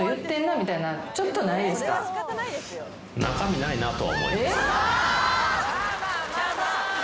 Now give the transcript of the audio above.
中身ないなとは思いますね。